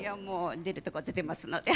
出るとこ出てますので。